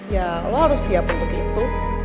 ya lo harus siap untuk itu